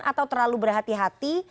atau terlalu berhati hati